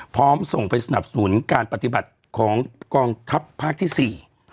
พร้อมส่งไปสนับสนุนการปฏิบัติของกองทัพภาคที่๔